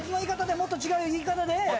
もっと違う言い方で。